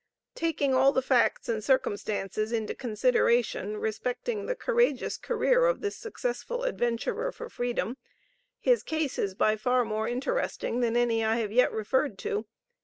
Taking all the facts and circumstances into consideration respecting the courageous career of this successful adventurer for freedom, his case is by far more interesting than any I have yet referred to.